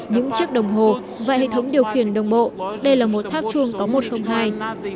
những chiếc đồng hồ và hệ thống điều khiển đồng bộ đây là một tháp chuông có một không hai